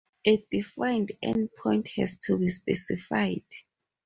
A defined endpoint has to be specified.